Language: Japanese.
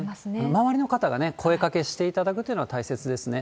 周りの方が声かけしていただくというのが大切ですね。